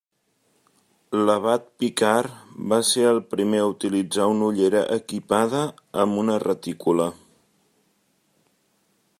L'abat Picard, va ser el primer a utilitzar una ullera equipada amb una retícula.